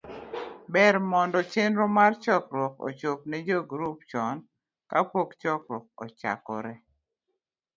ber mondo chenro mar chokruok ochop ne jogrup chon kapok chokruok ochakore.